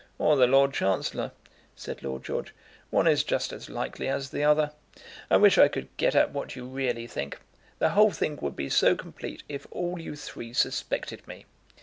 "Or the Lord Chancellor," said Lord George. "One is just as likely as the other. I wish I could get at what you really think. The whole thing would be so complete if all you three suspected me.